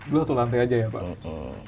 dulu satu lantai aja ya pak